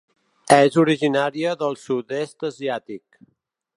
És originària del sud-est asiàtic.